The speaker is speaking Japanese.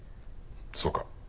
そうか。